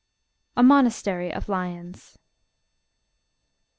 A Monastery of Lions.